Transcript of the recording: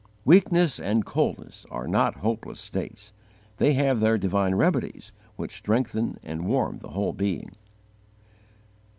Weakness and coldness are not hopeless states: they have their divine remedies which strengthen and warm the whole being.